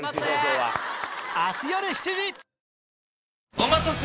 お待たせ。